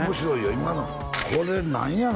今のこれ何やの？